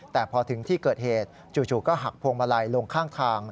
แต่พอถึงที่เกิดเหตุจู่ก็หักพวงมาลัยลงข้างทาง